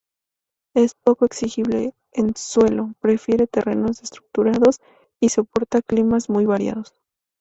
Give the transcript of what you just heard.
Es poco exigente en suelo, prefiere terrenos estructurados, y soporta climas muy variados.